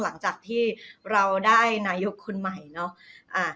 หลังจากที่เราได้นายกคนใหม่เนาะ